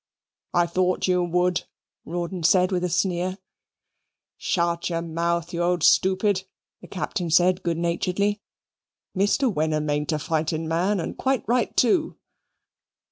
"I thought you would," Rawdon said with a sneer. "Shut your mouth, you old stoopid," the Captain said good naturedly. "Mr. Wenham ain't a fighting man; and quite right, too."